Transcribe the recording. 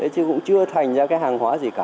chứ cũng chưa thành ra cái hàng hóa gì cả